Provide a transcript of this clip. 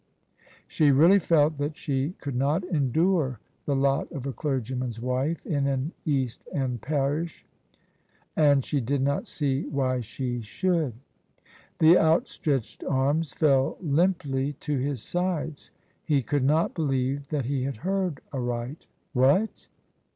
She really felt that she could not endure the lot of a clergyman's wife in an East End parish; and she did not see why she should. The outstretched arms fell limply to his sides. He could not believe that he had heard aright "What?